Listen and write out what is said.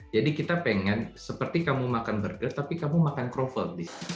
jadi kita pengen seperti kamu makan burger tapi kamu makan kroffel